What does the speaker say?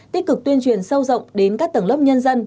tích cực tuyên truyền sâu rộng đến các tầng lớp nhân dân